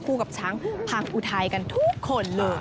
กับช้างพังอุทัยกันทุกคนเลย